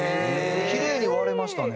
キレイに割れましたね。